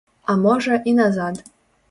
А можа, і назад.